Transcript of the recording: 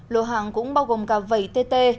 lô hàng cũng bao gồm cả vẩy tê tê